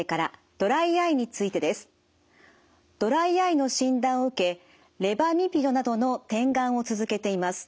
ドライアイの診断を受けレバミピドなどの点眼を続けています。